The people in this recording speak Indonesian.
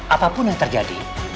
apapun yang terjadi